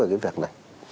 về cái việc này